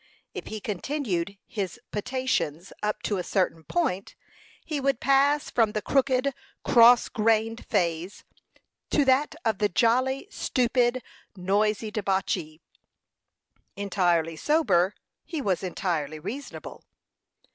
If he continued his potations up to a certain point, he would pass from the crooked, cross grained phase to that of the jolly, stupid, noisy debauchee. Entirely sober, he was entirely reasonable.